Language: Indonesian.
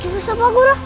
jurus apa guru